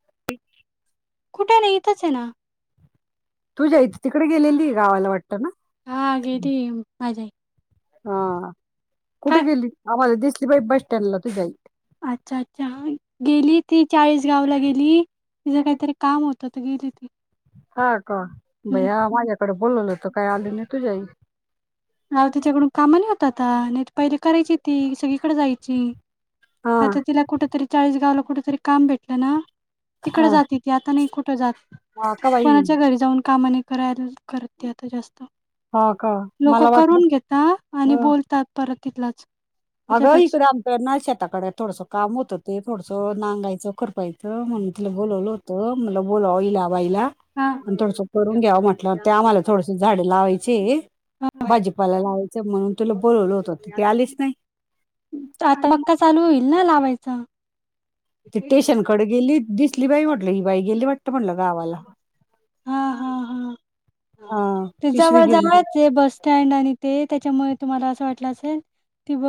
[inaudible] कुठे नाहीे इतच हे ना. ली गावाला वाटत ना? हा गेली माझी आई हा. कुठे काय गेली आम्हाला दिसलीबाई बस स्टँडला तूजी आई. अच्छा अच्छा गेली ती चाळीस त गावला गेली तिचं काहीतरी काम होत त गेली ती. हा का? बया हम्म. माझ्याकडे बोलवल होत काय आलं नाही तुझी आई. नाव तीच्याकडून काम नई होत आता, नाई त पहिले करायची ती सगळीकडे जायची. हा आता तिला कुठतरी चाळीस गावला कुठ तरी काम भेटलं ना तिकड हा. जाते ती आता नई कुठं जात हा का बाई कोणाच्या घरी जाऊन कामाने करायला करते आता जास्त हा का. लोक मला वाटलं करून घेेता आणि हा. बोलतात परत तिथलंच. अगं इकड आमच्या ना शेताकडे थोडसं काम होतं ते थोडसं नागायचं, खुरपायच. म्हणून तिला बोलवलं होत म्हनल बोलावल बाईला हा आणि थोडस करून घ्याव म्हटलं ते आम्हाला थोडस झाडे लावायचीये. भाजीपाला लावायचं म्हणून तुला बोलवलं होत त ती आलीच नाही. आता मक्का चालू होईल ना लावायचा? ती स्टेशनकडे गेली दिसली बाई म्हटल ही बाई गेली वाटत म्हटलं गावाला. हां, हन. हां, हां. ते जवळ जवळचं ये बस स्टँड आणि ते त्याच्यामुळे तुम्हाला असं वाटलं असेल. ती ब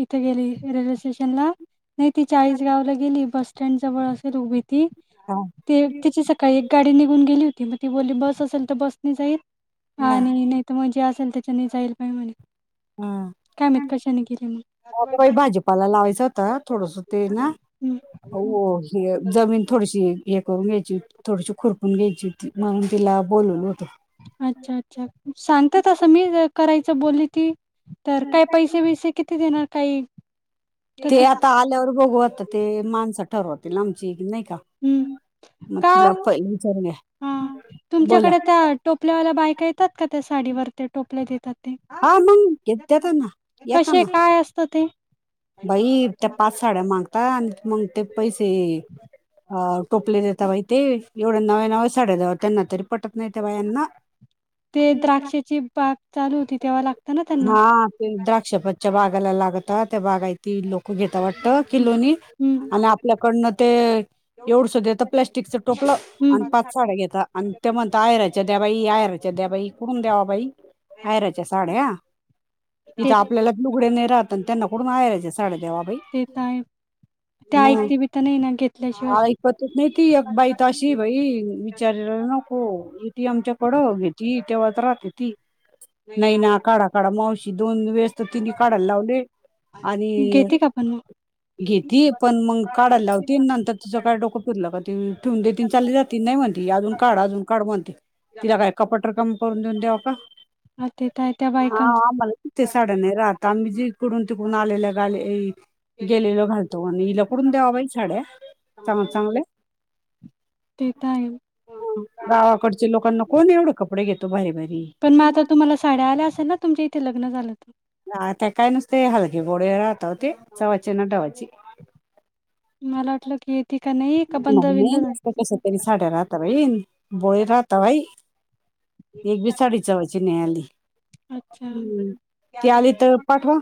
इथं गेली रेल्वे स्टेशनला नाही ती चाळीस गावला गेली बस सटँड जवळ असेल उभी ती हा ते तिची सकाळी एक गाडी निघून गेली होती म ती बोली बस असेल तर बस नाही जाईल हा आणि नाही तर मगजे असेल त्याच्यानी जाईल पण म्हणे कायमत कशाने केले म्ह हता बाई भाजीपाला लावायचं होतं थोडस ते ना हं, हो हे जमीन थोडीशी हे करून घ्यायची थोडीशी खुरपून घ्यायची म्हणून तिला बोलवून अच्छा अच्छा सांगत तस मी करायचं बोलली ती तर काय पैसे बैसे किती देणार काही ते तसं? आता आल्यावर बघूता ते माणसं ठरवतील लांबची की नाही का हं, का ओ? मला पहि विचरणे हा तुमच्याकडे त्या टोपल्यावाल्या बायका येतात का त्या साडीवर ते टोपल्यात येतात हा मंग घेत दताना कसे येताना काय असतं ते बाई त्या पाच साड्या मागता आणि मग ते पैसे टोपलेलेेत बाई ते एवढं नव्या नव्या चढ दवतन तरी पटन बाया ना ते द्राक्षाची बाग चालू होती तेव्हा लागतं ना त्यांना हा ते द्राक्षपतच्या बागाला लागत त्या बागा त लोक घेता वाटत किलोनी हम्म आणि आपल्याकडनं ते एवढस देत प्लस्टिकचं टोपलं आणि पाच साड्या घेतता आणि ते म्हणत आयराच्या द्या बाई आयराच्या द्या बाई करून द्यावा बाई आहेर साड्या ते इथे आपल्याला दुघडे नाही राहत आणि त्यांना कडून वयच्या साड्या द्यावा बाई ते तरय ते ऐकते बी तर नाही ना घेतल्याशिवाय हऐ पत्रत नाही ती एक बाई तशी भाई विचारला नको एटीएमच्या कडं घेतती तेव्हा राहते ती नाही ना काढ काढा मावशी दोन वेस तर तिने काढायला लावले आणि घेते का पण मग घेतती पण मग काढायला लावती नंतर तुझं काय डोकं पिरलं त ठेवून दे त चालली जाती नाही म्हणती अजून काढ अजून काढ म्हणते तिला काय कपाट रकम करून देऊन दव काा हां, ते तर आहे त्या बायकांच आम्हाला कि ते साड्या नाही राहत आम्ही जे तिकडून तिकडून आलेलंाले गेलेल घालतो आणि इ लकडून दवा बाज झाड्या चांगल चांगले ते तर आहे गावाकडच्या लोकांना कोण एवढे कपडे घेतो बाहेर बाहेर पण मग आता तुम्हाला साड्या आल्या असेल ना तुमच्या इथे लग्न झालं तर ते काय नुसते हलके गोडे राहत होते चव्हाचे ना डवाचे मला वाटलं की का नाही का बंद नाही बिंद नाही झाली नत कश तरी साड्या राहत भाई बोळी राहता भाई एक बी साडी चवायची नाही आली अच्छा हम्म. ती आली तर पाठवा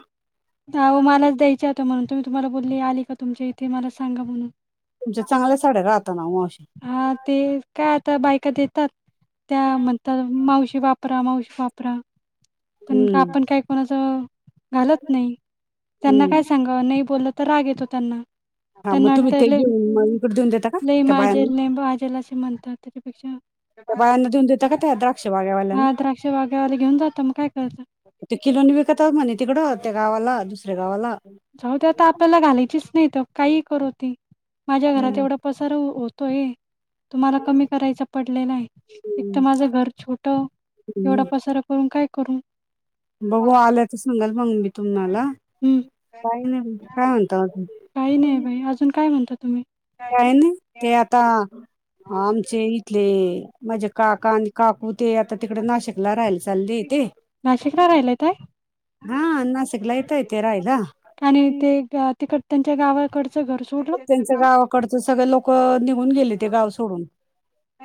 उ मलाच द्यायच होत म्हणून तुम्ही तुम्हाला बोलली आली का तुमच्या इथे मला सांगा म्हणून तुमच्या चांगल्या साड्या राहताना ना हा ते काय आता बायका देतात त्या म्हर मावशी शी वापरा मावशी वापरा पण हम्म आपण काय कोणाच घालत नाही त्यांना हम्म काय सांगावं नाही बोललं तर राग येतो त्यांना हा मग तुम्ही तरनाट ते घेऊन मग इकडे देऊन देता का लई त्या बायांना माजल आजल असे म्हणतात त्यापेक्षा त्या बायांना देऊन देता का त्या द्राक्ष हा बागेवाल्यांना द्राक्ष बाघेवाला घेऊन जात मग काय करायचं? ते किलोणी विकतात म्हणे तिकडं त्या गावाला दुसऱ्या गावाला जाऊ आता आपल्याला घालायचीच नाही तर काही करूती माझ्या घरात हम्म. एवढा पसार होत तुम्हाला कमी करायच पडले नाही एक तर हम्म. माझं घर छोट एवढा पसारा करून काय करून बघू आलं तर सांगाल मग मी तुम्हाला हं. काही नाही म्हण काय म्हणत म यण तुम्ही? काय ना ते आता आमचे इथले माज्या काका -काकू- ते आता तिकड नाशिकला राहायला चालले ते नाशिकला राहिलाय काय हाश. सगलयतयतरायला आणि ते गा- तिकड त्यांच्या गावाकड. त्यांच गावाकडचं सगळे लोक निघून गेले ते गाव सोडून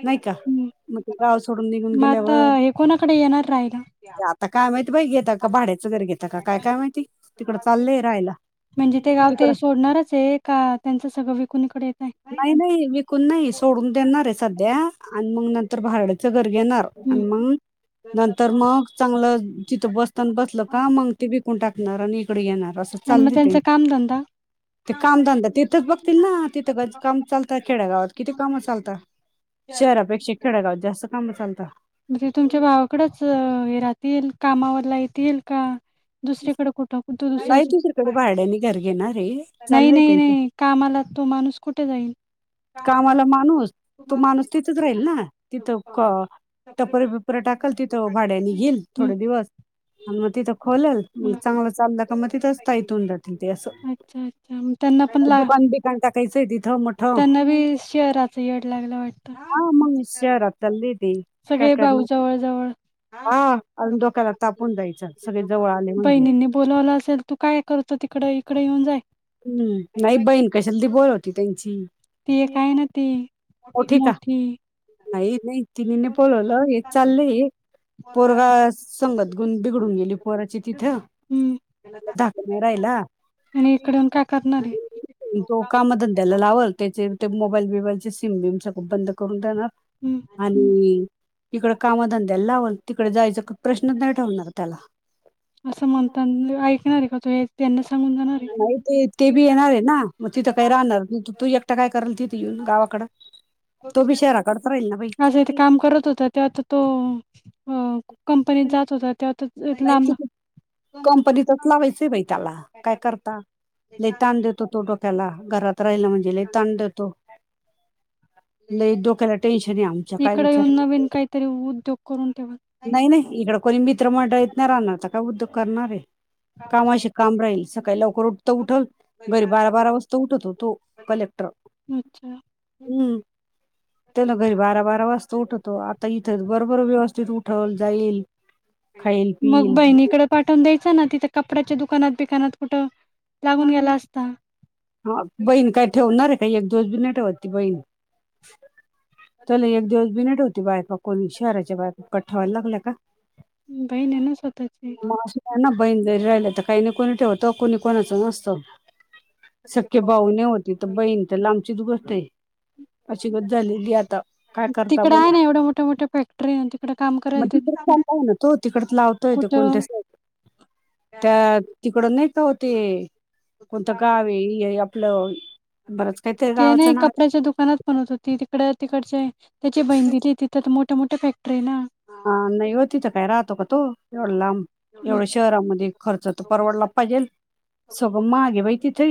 नाही का हम्म मग ते गाव सोडून निघून मग आता गेल्यावर हे कोणाकडे येणार राहिला आता काय माहिती बा घेता का भाड्याचं घरी घेता का काय काय माहिती तिकडं चाललंय राहायला. म्हणजे ते गाव तिकडं ते सोडणारच आहे का त्यांचं सगळं विकून इकडे आहे नाही नाही विकून नाही सोडून देणार आहे सध्या आणि मग नंतर भारडचं घर घेणार हम्म. आणि मग नंतर मग चांगलं चिथं बसताना बसल का मग ते बिकून टाकणार आणि इकडे येणार. स आणि मग चालते ते त्यांचा कामधंदा ते कामधंदा तिथंच बघतील ना तिथं ग. काम चाल खेडगावात किती काम चालतं. शहरापेक्षा खेडागावात जास्त काम चालत. इकडच हे राहात येईल कामावर येेत येईल का दुसरीेकडे कुठं कुठ दुसऱ्या नाही दुसरीकडे भाड्याने घर घेणार आहे नाही चाललंय नाही त्यांचं नाही कामाला तो माणूस कुठे? जाईल कामाला माणूस तो माणूस तिथच राहील ना तिथं. टपरे बिपरे टाकल तिथं भाड्यानी घेईल हम्म थोडे दिवस आणि मग तिथं खोलेल मग हम्म चांगलं चाललं का मग तिथंचता इथून रा ते अच्छा अच्छा मग त्यांना पण दुकान बिकन टाकायचंय तिथ. नवी शहराचा यड लागला वाट. हा मग विष्यार तलदीे सगळे भाऊ जवळ जवळ हा अजून डोक्याला तापून जायचं सगळे जवळ आले म्हणजे बहिणींनी बोलावलं असेल तू काय करत तिकडे इकडे येऊन जाय. हम्म नाही बहीण कशाल दि बोल होती त्यांची ती काय ना ती मोठी नाही नाही तिन बोलवलं हे चाललंय. पोरगा संगत गुन बिघडून गेली पोराची तिथं. हम्म दाख नराहिला. आणि इकडून काय करणार आहे तो काम धंद्यायला लावल त्याच ते मोबाईल बबाईल सिम बम सगळ बंद करून देणार हम्म आणि इिकड कामधंद्याला लावल तिकडे जायच प्रश्नच नाही ठेवणार त्याला असं म्हणता ऐकणार आहे का त त्यां नाही ते ते बी येणार आहे ना मग तिथं काही राहणार तू एकटा काय करेल तिथ. येऊन गावाकड तो बी शहराकडच राहील ना भाई. आज इथे काम करत होता तेव्हा तर तो कंपनीत जात होता तेव्हा नाही लांब तिथे कंपनीतच लावायचंय बाई त्याला काय करता. लैताण देतो तो डोक्याला घरात राहिला म्हणजे लताण देतो. लई डोक्याला टेन्शन आहे आमचा काय इकडे विचार येऊन नवीन काहीतरी उद्योग करून ठेवा नाही नाही इकड कोणी मित्र मंडळ येतणार अना तर काय उद्योग करणार आहे. कामाशी काम राहील सकाळी लव कोोट तर उठल घरी बारा बारा वाजता उठत होतो कलेक्टर अच्छा हम्म त्यान घरी बारा बारा वाज तो उठतो आता इथे बरबर व्यवस्थित उठवल जाईल. खाईल मग पिईल बहिणीकडे पाठवून द्यायच ना तिथं कपड्याच्या दुकानात बिकानात कुठं? लागून गेला अस असता. हा बहीण काय ठेवणार आहे काही एक दोस बी नाही ठेवत त बहीण चला एक दिवस बिन ठेवती बायका कोणी शहराच्या बायका काय ठेवायला लागला का? बहिणी ना स्वतःची. मगअसू द्याना बहीण जरी राहिलं तर काही नाही कोणी ठेवतो कोणी कोणाचं नसतं. सखे भाऊ न होती तर बहीण तर लांबचीच गोष्ट आहे अशी गत झालीली आता. काय करता तिकडं आहे बोला ना एवढ्या मोठ्या मोठ्या फॅक्टरी तिकडे काम मग करायल ते तिकड ना तो तिकड लावतो. कुठं कोणत्या? त्या तिकड नाही का होते कोणतं गाव आहे. हे आपलं बरंच काहीतरी ते ना गावाचं नाव कपड्याच्या दुकानात बनवत होती तिकड तिकडचे. त्याची बहिन दिली तिथं मोठ्या मोठ्या फॅक्टरी ना हा नाही हो तिथं काय राहतो का तो एवढया लांब एवढं शहरामध्ये खर्च तर परवडला पाहिजेल. सगळं मागे बाई तिथे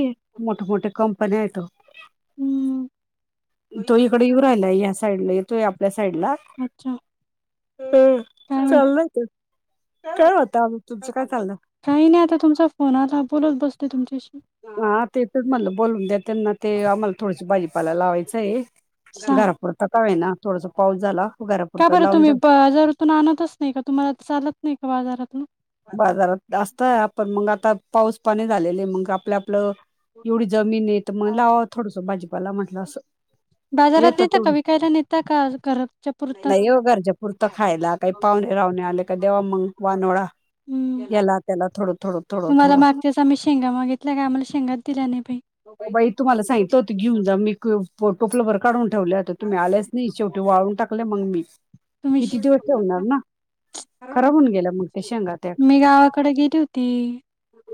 मोठे मोठे कं कंपन्यात हम्म इकडेऊ राहिलाआपल्या साईडला येतो आपल्या साईडला अच्छा काय माहित चालल ते काय होतं आम्ही तुमचं काय चाललं काही नाही आता तुमचा फोन आला बोलत बसते तुमच्याशी. हा तेचच म्हलं बोलून द्या त्यांना ते आम्हाला थोडशी भाजीपाला लावायचं आहे. सांग घरापुरता का वहिनी आहे ना थोडस पाऊस झाला का घरापुरता बरं लावून तुम्ही देऊ. बाजारातून आणतच नाही का तुम्हाला चालत नाही का बाजारात? बाजारात असतय आपण मग आता पाऊस पाणी झालेले मग आपलं आपलं एवढी जमीन आहे तर मग लावा थोडस भाजीपाला म्हटलं असं. [inaudible] येत नेता तेवढ का विकायला नेता का घराच्या पुरताच नाही ये घरच्यापुुरत खायला काही पाहुणे राहणे आले देवा मंग वानोळा हम्म याला त्याला थोडं. थोडं थोडं तुम्हाला थोडं मागच्याच आम्ही शेंगा मागितल्या का आम्हाला शेंगाच दिल्या नाही ओ बाई तुम्हाला सांगितलं होतं घेऊन जा मी टोपला भर काढून ठेवले आता तुम्ही आलेच नाही शेवटी वाळून टाकले मग मी. तुम्ही किती दिवस ठेवणार ना खराब होऊन गेल्या मग त्या शेंगा त्या [inaudible] मी गावाकडे गेली होती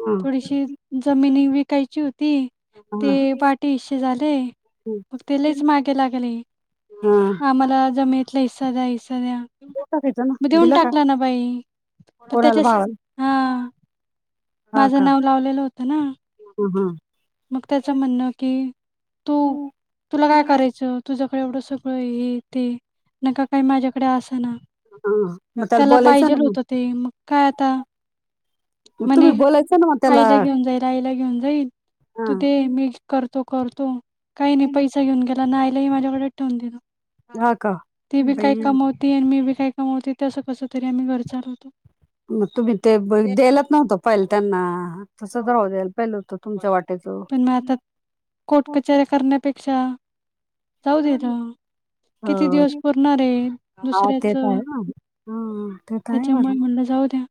हा थोडीशी जमिनी विकायची होती. ते हा वाटे हिशे झाले मग त्यालाच मागे लागले हा आम्हाला जमिनीतला हिस्सा द्या टाकायचं ना मग देऊन दिला का टाकला ना बाई तर कोणाला त्याच्या भावाला हा हा का माझं नाव हा लावलेलं होतं ना हा मग त्याच म्हणणं की तू तुला काय करायचं तुझ एवढं सगळं हे ते नका काही माझ्याकडे असं ना हा मग त्याला बोलायचं ना पाहिजेल मग होत ते मग काय आता मग म्हणे तुम्ही बोलायचं ना मग त्याला आईला घेऊन जाईल आईला घेऊन जाईल हा तू दे मी करतो करतो काही नाही पैसा घेऊन गेला आईलाही माझ्याकडे ठेवून दिलं हा का ती बी काय बाई कमवती आणि मी बी काय कमवते तस कस तरी आम्ही घर चालवतो. मग तुम्ही ते द्यालाच नव्हतं पहिल त्यांना तस दवा द्यायला पहिल होत तुमच्या वाटेचं. पण मग आता कोर्ट कचऱ्या करण्यापेक्षा जाऊ दिल किती दिवस पुरणार आहे हा दुसऱ्याच ते तर आहे ना हा त्याच्यामुळे म्हणलं जाऊ द्या.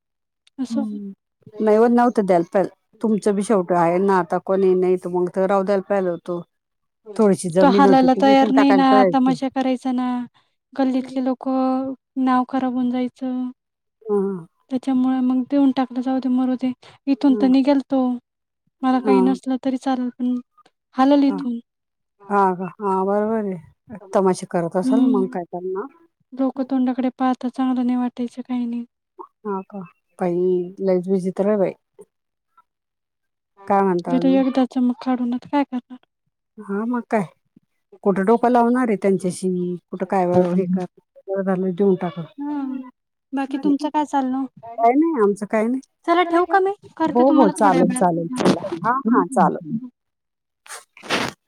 असं हम् नाहीव नव्हतं द्याल पाहिजे तुमचं बी शेवट आहे ना आता कोणी नाही त मग तर राहू द्यायला पहिला होतो. तो हालायला तयार नाही टाकायला ना पाहिजे होती. तमाशा करायचा ना गल्लीतले लोक नाव खराब होऊन जायचं त्याच्यामुळे मग देऊन टाकले जाऊदे मरू दे इथून तर निघाल तो मला हा काही हा नसल तरी चालेल पण. हालल हा इथून हा का हा बरोबर आहे. तमाशे करत असाल हम्म मग काय करणार लोक तोंडाकडे पाहता चांगलं वाटयच काही नाही. ह का बाई लईज विचित्र आहे बाई हा काय म्हणता जो तो अजून एकदाच मग काढून नाही तर काय कर हा म काय? कुठं डोकं लावणारे त्यांच्याशी मी कुठं काय व हे झालं देऊन टाका हम, बाकी तुमचं काय चालू? काय नाही आमचं काय नाही चला ठेवू का मी? करते हो हो तुम्हाला थोड्या चालेल चालेल चला वेळात. हा हा चालेल